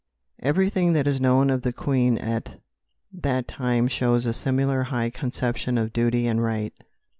'" Everything that is known of the Queen at that time shows a similar high conception of duty and right.